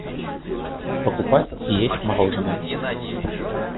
покупать и есть мороженое.